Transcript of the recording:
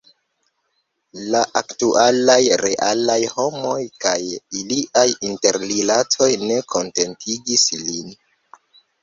La aktualaj, realaj homoj kaj iliaj interrilatoj ne kontentigis lin.